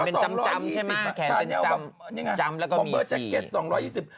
เป็นจำจำใช่ไหมแขนเป็นจำจำแล้วก็มีสีเซียนสองร้อยยี่สิบ